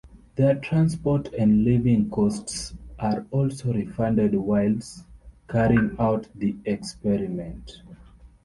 Their transport and living costs are also refunded whilst carrying out the experiment.